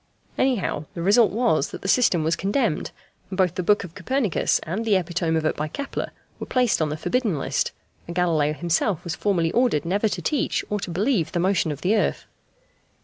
Anyhow, the result was that the system was condemned, and both the book of Copernicus and the epitome of it by Kepler were placed on the forbidden list, and Galileo himself was formally ordered never to teach or to believe the motion of the earth.